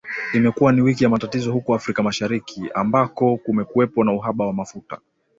Imekuwa ni wiki ya matatizo huko Afrika Mashariki, ambako kumekuwepo na uhaba wa mafuta